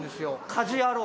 『家事ヤロウ！！！』？